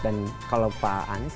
dan kalau pak anies ya